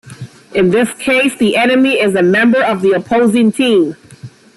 In this case, the enemy is a member of the opposing team.